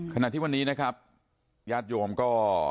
ขณะที่วันนี้นะครับญาติโยมก็